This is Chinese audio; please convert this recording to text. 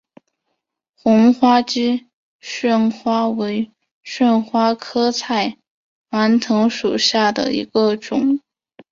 红花姬旋花为旋花科菜栾藤属下的一个种。